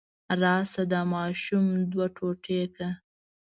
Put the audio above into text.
راشه دا ماشوم دوه ټوټې کړه.